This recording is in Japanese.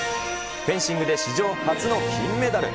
フェンシングで史上初の金メダル。